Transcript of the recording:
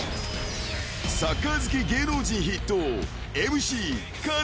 ［サッカー好き芸能人筆頭］